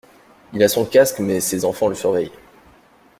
Il a son casque mais ses enfants le surveillent.